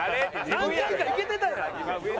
何回かいけてたやん。